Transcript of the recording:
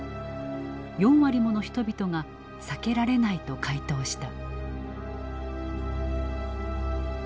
４割もの人々が「避けられない」と回答した。